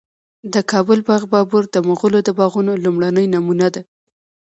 د کابل باغ بابر د مغلو د باغونو لومړنی نمونه ده